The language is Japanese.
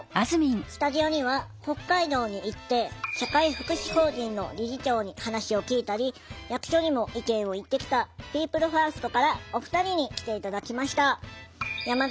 スタジオには北海道に行って社会福祉法人の理事長に話を聞いたり役所にも意見を言ってきたピープルファーストからお二人に来て頂きました。